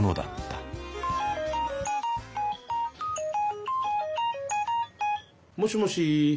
あもしもし。